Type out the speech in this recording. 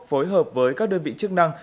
phối hợp với các đơn vị chức năng